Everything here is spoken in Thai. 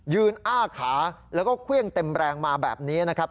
อ้าขาแล้วก็เครื่องเต็มแรงมาแบบนี้นะครับ